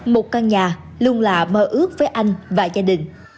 một căn nhà luôn là mơ ước với anh và gia đình